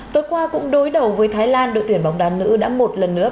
tối qua cũng đối đầu với thái lan đội tuyển bóng đá nữ đã một lần nữa